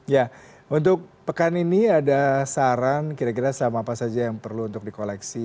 ya untuk pekan ini ada saran kira kira saham apa saja yang perlu untuk di koleksi